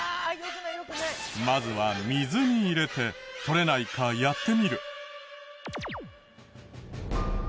まずは水に入れて取れないかやってみる。